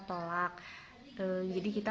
tolak jadi kita